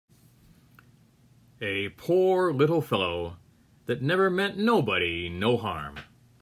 A poor little fellow that never meant nobody no harm!